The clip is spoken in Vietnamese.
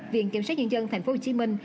viện kiểm sát nhân dân thành phố hồ chí minh